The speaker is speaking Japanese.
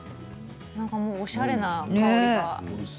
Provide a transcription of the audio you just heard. もうおしゃれな香りが。